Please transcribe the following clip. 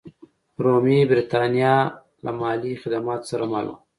رومي برېټانیا له مالي خدماتو سره مل وه.